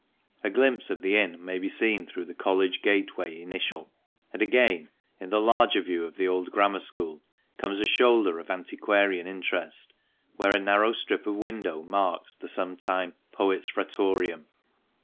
A glimpse of the inn may be seen through the College Gateway initial, and again, in the larger view ot the Old Grammar School, comes a shoulder of antiquarian interest where a narrow strip of window marks the sometime " Poets' Fratorium."